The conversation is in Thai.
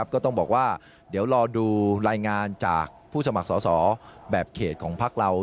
ก็ต้องบอกว่าเดี๋ยวรอดูรายงานจากผู้สมัครสอสอแบบเขตของพักเรา